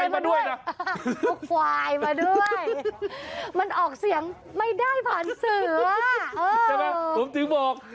ผมถึงบอก